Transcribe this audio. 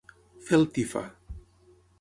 Fer el tifa.